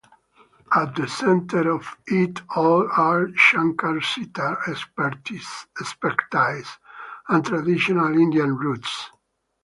At the center of it all are Shankar's sitar expertise and traditional Indian roots.